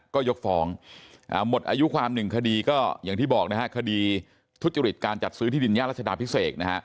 ก็ยกฟ้องหมดอายุความ๑คดีก็อย่างที่บอกนะฮะคดีทุจริตการจัดซื้อที่ดินย่ารัชดาพิเศษนะฮะ